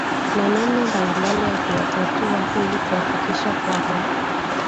na namna mbalimbali ya kuyatatua ili kuhakikisha kwamba